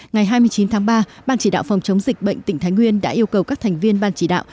ngày hai mươi chín tháng ba ban chỉ đạo phòng chống dịch bệnh tỉnh thái nguyên đã yêu cầu các thành viên ban chỉ đạo